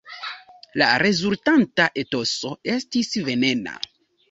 La rezultanta etoso estis venena.